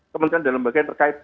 kementerian dan lembaga yang terkait